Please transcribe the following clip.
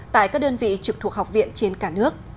tại các đơn vị trực thuộc học viện trên cả nước